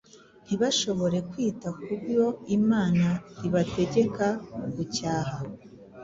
ntibashobore kwita ku bo Imana ibategeka gucyaha.